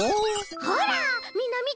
ほらみんなみて。